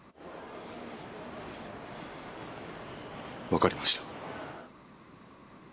分かりました。